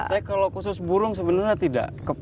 saya kalau khusus burung sebenarnya tidak